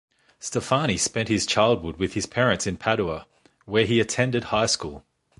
Steffani spent his childhood with his parents in Padua, where he attended high school.